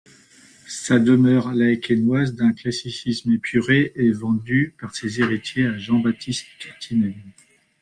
Sa demeure laekenoise, d’un classicisme épuré, est vendue par ses héritiers à Jean-Baptiste Cartinel.